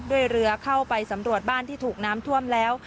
เรือเข้าไปสำรวจบ้านที่ถูกน้ำท่วมแล้ว